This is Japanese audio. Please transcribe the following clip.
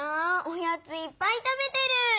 おやついっぱい食べてる！